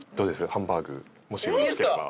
ハンバーグもしよろしければ。